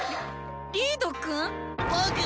リリードくん？